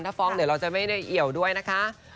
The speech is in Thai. ถ้าฟ้องเดี๋ยวเราจะไม่ได้เอี่ยวด้วยนะคะ